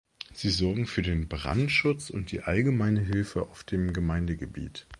Sie sorgen für den Brandschutz und die allgemeine Hilfe auf dem Gemeindegebiet.